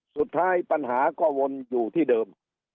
สุดท้ายปัญหาก็วนอยู่ที่เดิม